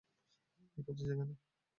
কি করছিস এখানে?